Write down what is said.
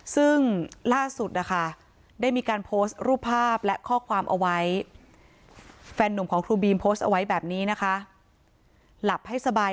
ซึ่งล่าสุดนะคะได้มีการโพสต์รูปภาพและข้อความเอาไว้